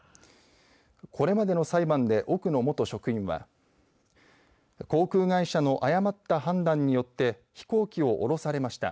これまでの裁判で奥野元職員は航空会社の誤った判断によって飛行機を降ろされました。